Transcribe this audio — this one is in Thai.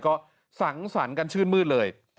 ก็สังสรรค์กันชื่นมืดเลย